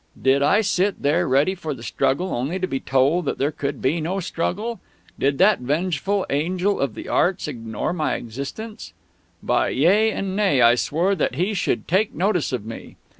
Did I sit there, ready for the struggle, only to be told that there could be no struggle? Did that vengeful Angel of the Arts ignore my very existence?... By Yea and Nay I swore that he should take notice of me!